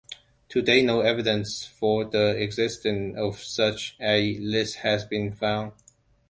To date, no evidence for the existence of such a list has been found.